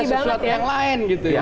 udah ada sesuatu yang lain gitu ya